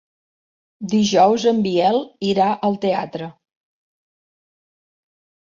Dijous en Biel irà al teatre.